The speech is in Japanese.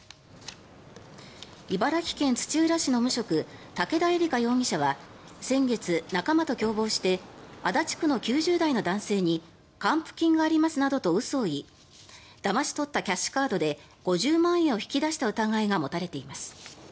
茨城県土浦市の無職武田絵理華容疑者は先月、仲間と共謀して足立区の９０代の男性に還付金がありますなどと嘘を言いだまし取ったキャッシュカードで５０万円を引き出した疑いが持たれています。